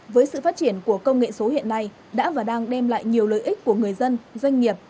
với sự phát triển của công nghệ số hiện nay đã và đang đem lại nhiều lợi ích của người dân doanh nghiệp